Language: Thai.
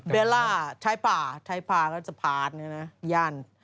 เบลล่าไทยป่าไทยป่าก็จะผ่านอย่างนี้นะยันตร์